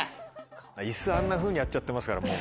椅子あんなふうにやっちゃってますからもう。